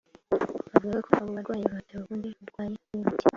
Bavugaga ko abo barwayi batewe ubundi burwayi n’uwo muti